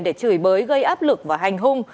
để chửi bới gây áp lực và hành hung